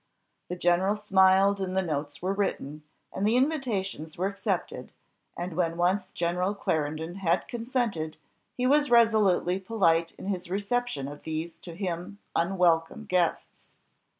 " the general smiled, and the notes were written, and the invitations were accepted, and when once General Clarendon had consented, he was resolutely polite in his reception of these to him unwelcome guests.